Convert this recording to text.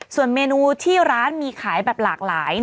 ส่วนเมนูที่ร้านมีขายแบบหลากหลาย